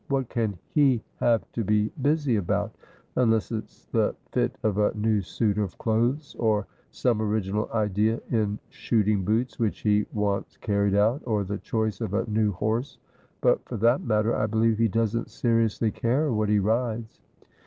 ' What can he have to be busy about ?— unless it's the fit of a new suit of clothes, or some original idea m shooting boots which he wants carried out, or the choice of a new horse ; but, for that matter, I believe he doesn't seriously care what he rides.